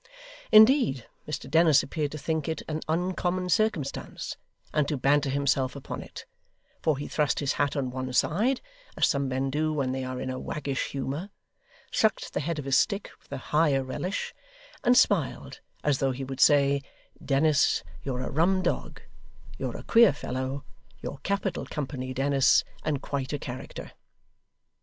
Indeed, Mr Dennis appeared to think it an uncommon circumstance, and to banter himself upon it; for he thrust his hat on one side as some men do when they are in a waggish humour, sucked the head of his stick with a higher relish, and smiled as though he would say, 'Dennis, you're a rum dog; you're a queer fellow; you're capital company, Dennis, and quite a character!